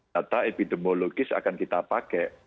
data epidemiologis akan kita pakai